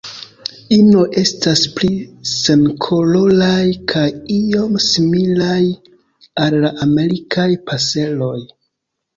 Inoj estas pli senkoloraj kaj iom similaj al la Amerikaj paseroj.